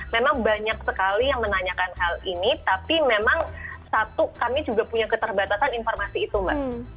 memang banyak sekali yang menanyakan hal ini tapi memang satu kami juga punya keterbatasan informasi itu mbak